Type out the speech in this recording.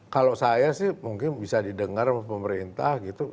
kalau saya sih mungkin bisa didengar oleh pemerintah gitu